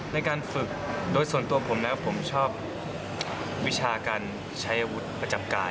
ในการฝึกโดยส่วนตัวผมแล้วผมชอบวิชาการใช้อาวุธประจำกาย